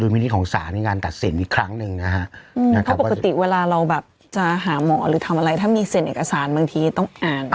เพราะปกติเวลาเราแบบจะหาหมอหรือทำอะไรถ้ามีเซ็นเอกสารบางทีต้องอ่าน